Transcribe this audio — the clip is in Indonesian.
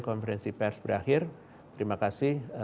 konferensi pers berakhir terima kasih